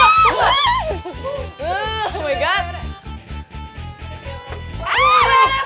ayo ya lepa lu balik lu booster